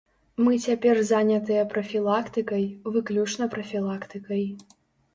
Мы цяпер занятыя прафілактыкай, выключна прафілактыкай.